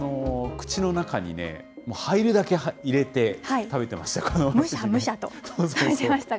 口の中にね、入るだけ入れて食べてました。